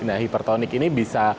nah hipertonik ini bisa